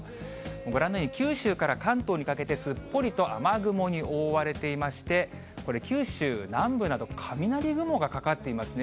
ご覧のように、九州から関東にかけて、すっぽりと雨雲に覆われていまして、これ、九州南部など、雷雲がかかっていますね。